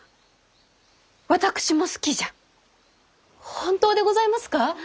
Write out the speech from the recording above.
本当でございますか！